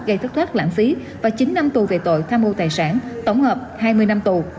gây thất thoát lãng phí và chín năm tù về tội tham mô tài sản tổng hợp hai mươi năm tù